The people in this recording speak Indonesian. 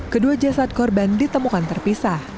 kedua jasad korban ditemukan terpisah